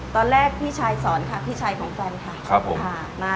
ตอนแรกพี่ชายสอนค่ะพี่ชายของแฟนค่ะ